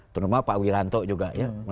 terutama pak wilanto juga